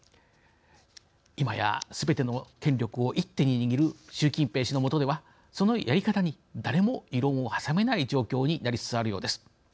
いまや全ての権力を一手に握る習近平氏の下ではそのやり方に誰も異論を挟めない状況になりつつあるようです。